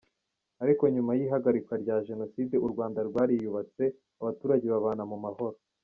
Ariko nyuma y’ihagarikwa rya Jenoside, u Rwanda rwariyubatse, abaturage babana mu mahoro.